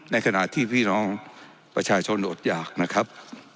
ในขณะที่พี่น้องประชาชนอดหยากนะครับ